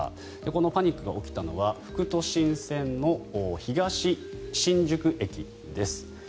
このパニックが起きたのは副都心線の東新宿駅です。